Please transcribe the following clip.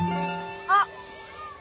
あっ！